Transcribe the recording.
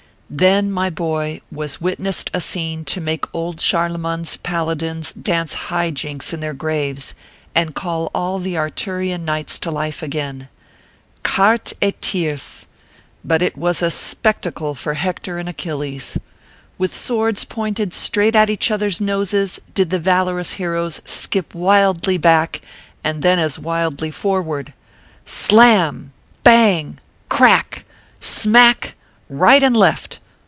12 266 ORPHEUS C. KERR PAPERS. Then, my boy, was witnessed a scene to make old Charlemagne s paladins dance High jinks in their graves, and call all the Arturian knights to life again. Carte ct tierce ! but it was a spectacle for Hector and Achilles. With swords pointed straight at each other s noses did the valorous heroes skip wildly back, and then as wildly forward. Slam ! bang ! crack ! smack !" right and left